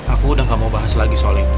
aku udah gak mau bahas lagi soal itu